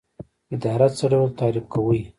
اداره څه ډول تعریف کوئ؟